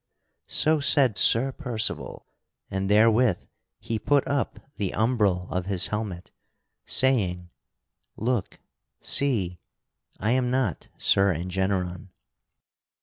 So said Sir Percival, and therewith he put up the umbril of his helmet, saying: "Look, see; I am not Sir Engeneron."